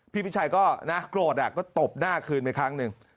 พี่พิชัยก็นะโกรธก็ตบหน้าคืนไปครั้งหนึ่ง